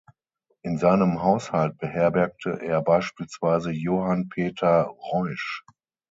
In seinem Haushalt beherbergte er beispielsweise Johann Peter Reusch.